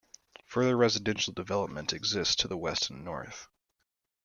Further residential development exists to the west and north.